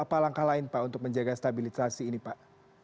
apa langkah lain pak untuk menjaga stabilisasi ini pak